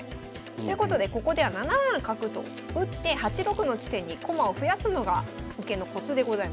ということでここでは７七角と打って８六の地点に駒を増やすのが受けのコツでございます。